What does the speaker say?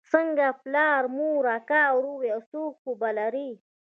څنگه پلار مور اکا ورور يو څوک خو به لرې.